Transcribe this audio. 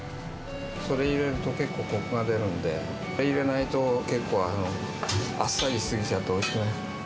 それ入れると、結構こくが出るんで、入れないと結構、あっさりし過ぎちゃって、おいしくない。